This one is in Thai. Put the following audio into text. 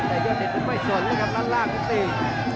ยอดเด็ดสู้ไม่สนล่างตี